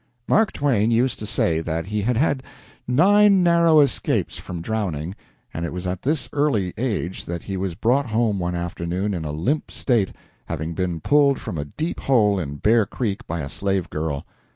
Mark Twain used to say that he had had nine narrow escapes from drowning, and it was at this early age that he was brought home one afternoon in a limp state, having been pulled from a deep hole in Bear Creek by a slave girl.